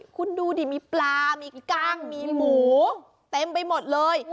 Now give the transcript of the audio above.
คุณดูดิมีปลามีกล้างมีหมูเต็มไปหมดเลย